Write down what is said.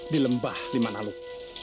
di lembah lima naluk